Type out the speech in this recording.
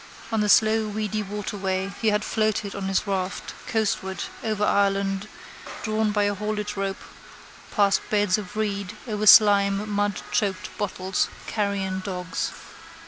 On the slow weedy waterway he had floated on his raft coastward over Ireland drawn by a haulage rope past beds of reeds, over slime, mudchoked bottles, carrion dogs.